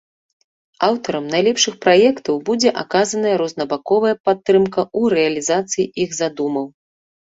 Аўтарам найлепшых праектаў будзе аказаная рознабаковая падтрымка ў рэалізацыі іх задумаў.